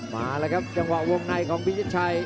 มาแล้วครับจังหวะวงในของพิชิตชัย